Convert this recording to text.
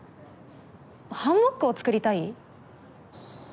ハンモックを作りたい？